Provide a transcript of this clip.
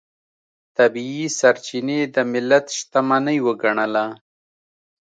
طبیعي سرچینې د ملت شتمنۍ وګڼله.